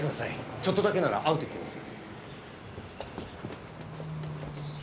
ちょっとだけなら会うと言っています。